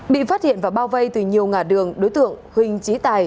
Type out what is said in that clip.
bị phát hiện và bao vây từ nhiều ngã đường đối tượng huỳnh trí tài